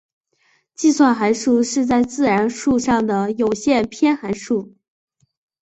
计算函数是在自然数上的有限偏函数。